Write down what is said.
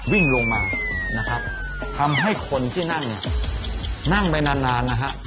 วิ่งลงมานะครับทำให้คนที่นั่งเนี่ยนั่งไปนานนานนะฮะ